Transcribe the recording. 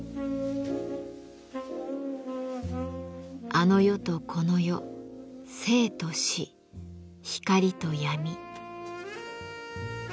あの世とこの世生と死光と闇。